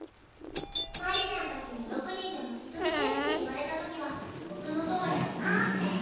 鞠莉ちゃんたちに６人でも続けてって言われた時はそのとおりだなあって。